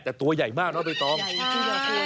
แต่ตัวใหญ่มากเนาะเบียบนี้